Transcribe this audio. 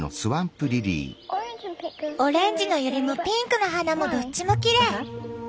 オレンジのユリもピンクの花もどっちもきれい。